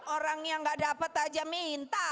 orang yang tidak dapat saja minta